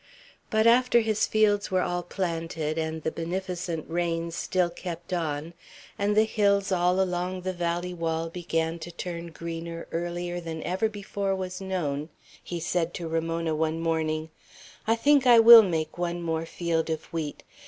But after his fields were all planted, and the beneficent rains still kept on, and the hills all along the valley wall began to turn green earlier than ever before was known, he said to Ramona one morning, "I think I will make one more field of wheat.